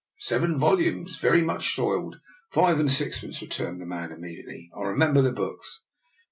"" Seven volumes very much soiled — five and sixpence," returned the man immediate ly. I remember the books."